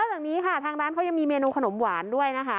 จากนี้ค่ะทางร้านเขายังมีเมนูขนมหวานด้วยนะคะ